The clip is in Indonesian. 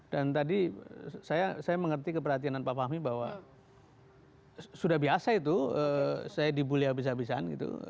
dan tadi saya mengerti keperhatianan pak fahmi bahwa sudah biasa itu saya dibuli habis habisan gitu